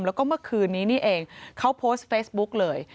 แล้วก็เมื่อคืนนี้นี่เองเขาโพสต์เฟซบุ๊กเลย